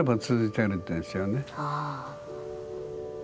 ああ。